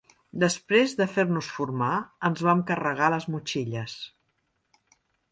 Després de fer-nos formar, ens vam carregar les motxilles